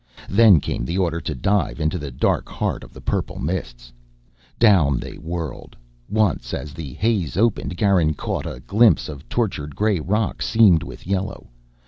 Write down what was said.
Then came the order to dive into the dark heart of the purple mists. Down they whirled. Once, as the haze opened, Garin caught a glimpse of tortured gray rock seamed with yellow.